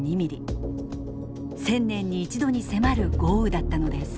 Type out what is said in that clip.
１０００年に１度に迫る豪雨だったのです。